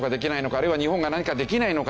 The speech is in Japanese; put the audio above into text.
あるいは日本が何かできないのか？